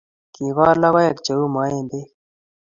Kikol lokoek che u maembek